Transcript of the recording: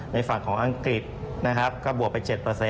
ในฝั่งของอังกฤษนะครับก็บวกไป๗